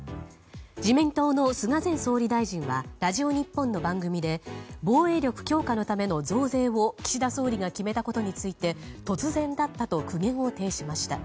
自民党の菅前総理大臣はラジオ日本の番組で防衛力強化のための増税を岸田総理が決めたことについて突然だったと苦言を呈しました。